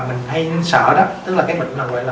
mình hay sợ đó tức là cái bệnh là